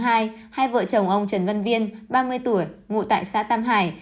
hai vợ chồng ông trần văn viên ba mươi tuổi ngụ tại xã tam hải